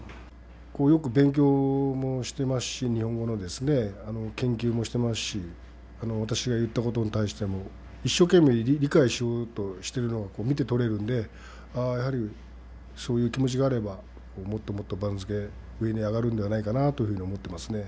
よく勉強もしてますし日本語の研究もしてますし私が言ったことに対しても一生懸命理解しようとしているのが見て取れるんでやはり、そういう気持ちがあればもっともっと番付上に上がるんではないかなというふうに思ってますね。